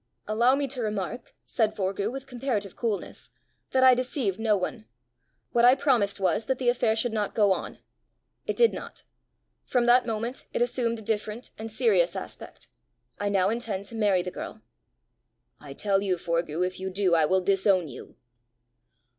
"Allow me to remark," said Forgue, with comparative coolness, "that I deceived no one. What I promised was, that the affair should not go on: it did not; from that moment it assumed a different and serious aspect. I now intend to marry the girl." "I tell you, Forgue, if you do I will disown you."